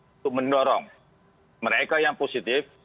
untuk mendorong mereka yang positif